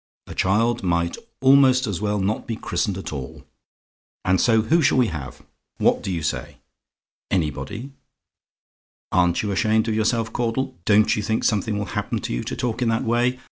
A child might almost as well not be christened at all. And so who shall we have? What do you say? "ANYBODY? "Aren't you ashamed of yourself, Caudle? Don't you think something will happen to you, to talk in that way?